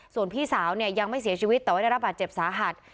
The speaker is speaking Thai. ส่วนพี่สาวเนี่ยยังไม่เสียชีวิตแต่ว่าได้รับบาดเจ็บสาหัส